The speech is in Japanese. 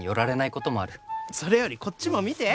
それよりこっちも見て！